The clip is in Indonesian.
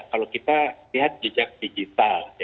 kalau kita lihat jejak digital